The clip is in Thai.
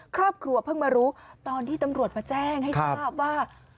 ครอบครัวเพิ่งมารู้ตอนที่ตำรวจมาแจ้งให้ทราบว่า